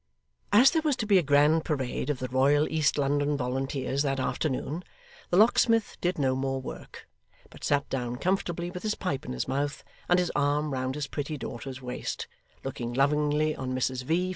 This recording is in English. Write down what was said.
As there was to be a grand parade of the Royal East London Volunteers that afternoon, the locksmith did no more work; but sat down comfortably with his pipe in his mouth, and his arm round his pretty daughter's waist, looking lovingly on Mrs V.